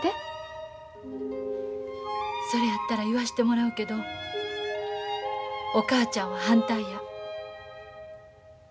それやったら言わしてもらうけどお母ちゃんは反対や。